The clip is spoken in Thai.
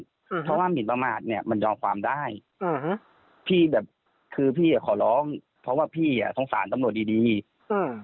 เพราะว่าหมินประมาทเนี้ยมันยอมความได้อ่าฮะพี่แบบคือพี่อ่ะขอร้องเพราะว่าพี่อ่ะสงสารตำรวจดีดีอืม